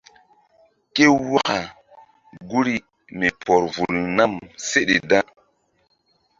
Ké waka guri mi pɔr vul nam seɗe da.